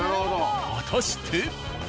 果たして。